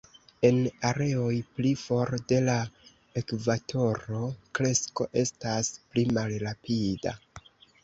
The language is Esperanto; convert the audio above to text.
En areoj pli for de la ekvatoro kresko estas pli malrapida.